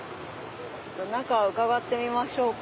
中伺ってみましょうか。